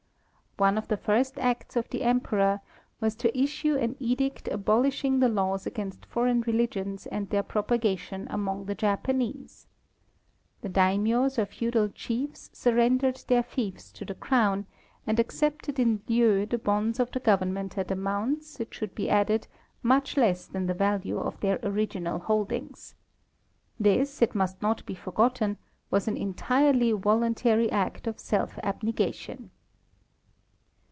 One of the first acts of the Emperor was to issue an edict abol ishing the laws against foreign religions and their propagation among the Japanese. The daimiyos or feudal chiefs surrendered their fiefs to the crown and accepted in leu the bonds of the government at amounts, it should be added, much less than the value of their original holdings. This, it must not be forgotten, was an entirely voluntary act of self abnegation.